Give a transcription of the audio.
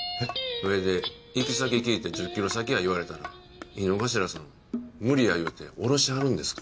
それで行き先聞いて１０キロ先や言われたら井之頭さん無理や言うておろしはるんですか？